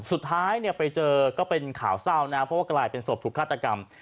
สุดท้ายเนี่ยไปเจอก็เป็นข่าวเศร้านะเพราะว่ากลายเป็นศพถูกฆาตกรรม